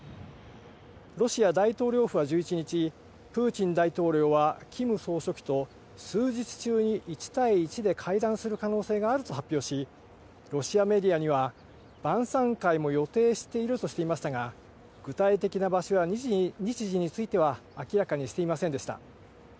ロシア大統領府は１１日、プーチン大統領はキム総書記と数日中に１対１で会談する可能性があると発表し、ロシアメディアには、晩さん会も予定しているとしていましたが、具体的な場所や日時については明らかにしていませんでした。